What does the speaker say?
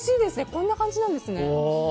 こんな感じなんですね。